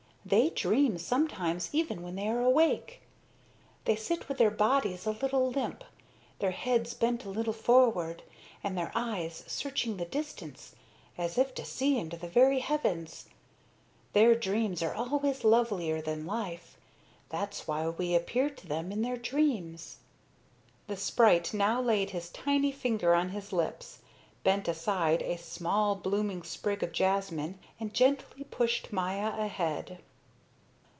They dream sometimes even when they are awake. They sit with their bodies a little limp, their heads bent a little forward, and their eyes searching the distance, as if to see into the very heavens. Their dreams are always lovelier than life. That's why we appear to them in their dreams." The sprite now laid his tiny finger on his lips, bent aside a small blooming sprig of jasmine, and gently pushed Maya ahead.